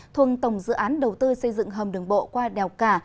thuần tổng dự án đầu tư xây dựng hầm đường bộ qua đèo cả